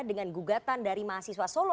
dengan gugatan dari mahasiswa solo